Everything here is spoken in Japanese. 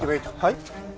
はい？